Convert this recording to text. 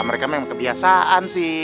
mereka memang kebiasaan sih